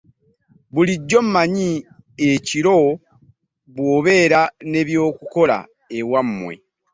Bulijjo manyi ekiro bw'obeera n'ebyokukola e wammwe.